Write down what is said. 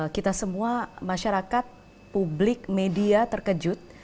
kita semua masyarakat publik media terkejut